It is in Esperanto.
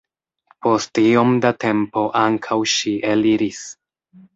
Post iom da tempo ankaŭ ŝi eliris.